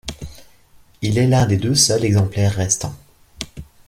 Il est l'un de deux seuls exemplaires restants.